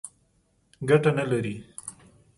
ګټه نه لري.